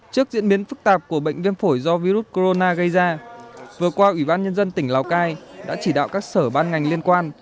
trước diễn biến phức tạp của bệnh viêm phổi do virus corona gây ra vừa qua ủy ban nhân dân tỉnh lào cai đã chỉ đạo các sở ban ngành liên quan